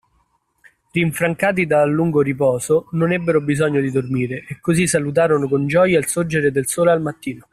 Rinfrancati dal lungo riposo, non ebbero bisogno di dormire, e così salutarono con gioia il sorgere del Sole al mattino.